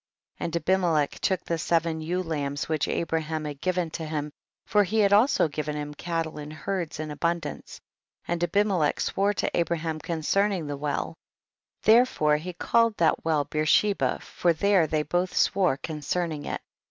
9. And Abimelech took the seven ewe lambs which Abraham had given to him, for he had also given him cattle and herds in abundance, and Abimelech swore to Abraham concerning the well, therefore he called that well Becrsheba, for there they both swore concerning it.